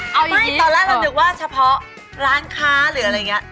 เอาไม่ตอนแรกเรานึกว่าเฉพาะร้านค้าหรืออะไรอย่างนี้